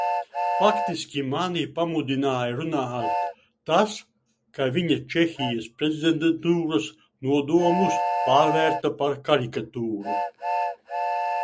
Faktiski mani pamudināja runāt tas, ka viņa Čehijas prezidentūras nodomus pārvērta par karikatūru.